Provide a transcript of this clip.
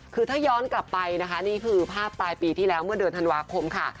คือถ้าย้อนกลับไปนะคะนี่คือภาพปลายปีที่แล้วเมื่อเดือนธันวาคมค่ะ